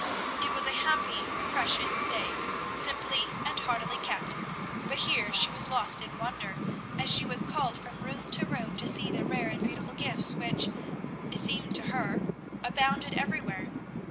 It was a happy, precious day, simply and heartily kept; but here she was lost in wonder, as she was called from room to room to see the rare and beautiful gifts which, it seemed to her, abounded everywhere.